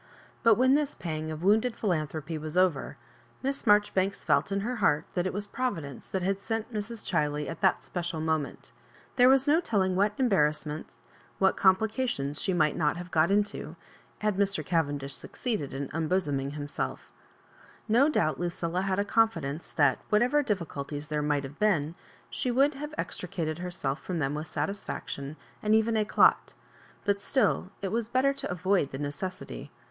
But when this pang of wounded philanthropy was over, Miss Marjoribanks felt in her heart that it* was Providence that had sent Mrs. Ghiley at that special moment There was no telling what em barrassments, what complications she might not have got into, had Mr. Cavendish succored in unbosoming himself No doubt Lucilla had a confidence that, whatever difficulties there might have been, she would have extricated herself from them with satisfaction and even idat^ but still it was better to avoid the necessity.